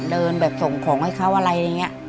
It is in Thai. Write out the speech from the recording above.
เดินแบบส่งของให้เขาอะไรอย่างนี้